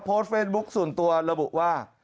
โพสต์เฟซบุ๊คส่วนตัวระบุว่า